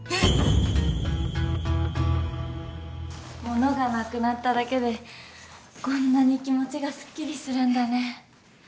物がなくなっただけでこんなに気持ちがすっきりするんだね。